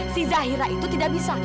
si zahira itu tidak bisa